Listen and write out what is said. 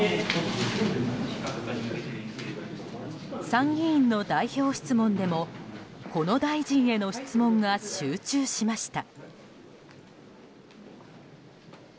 参議院の代表質問でもこの大臣への質問が集中しました。